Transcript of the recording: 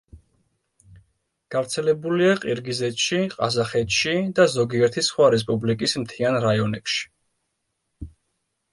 გავრცელებულია ყირგიზეთში, ყაზახეთში და ზოგიერთი სხვა რესპუბლიკის მთიან რაიონებში.